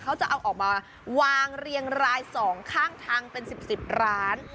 เขาจะเอาออกมาวางเรียงราย๒ข้างทางเป็น๑๐ร้าน